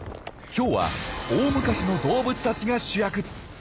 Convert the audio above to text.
今日は大昔の動物たちが主役。